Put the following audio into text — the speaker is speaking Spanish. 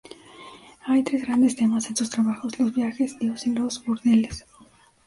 Hay tres grandes temas en sus trabajos: los viajes, Dios y los burdeles.